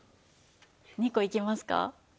２個いきますか？